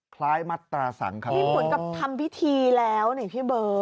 พลายมัตรสั่งครับพี่หมุนก็ทำพิธีแล้วนี่พี่เบิร์ต